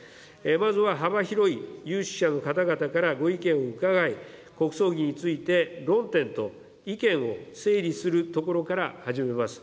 まずは幅広い有識者の方々からご意見を伺い、国葬儀について、論点と意見を整理するところから始めます。